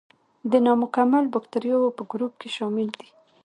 د نامکمل باکتریاوو په ګروپ کې شامل دي.